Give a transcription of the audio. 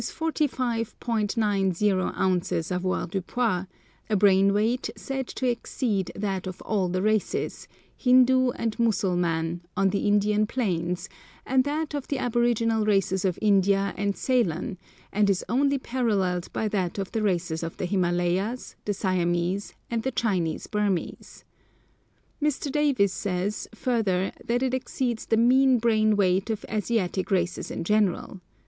90 ounces avoirdupois, a brain weight said to exceed that of all the races, Hindoo and Mussulman, on the Indian plains, and that of the aboriginal races of India and Ceylon, and is only paralleled by that of the races of the Himalayas, the Siamese, and the Chinese Burmese. Mr. Davies says, further, that it exceeds the mean brain weight of Asiatic races in general.